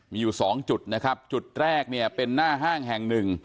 มีอยู่สองจุดนะครับจุดแรกเนี่ยเป็นหน้าห้างแห่งหนึ่ง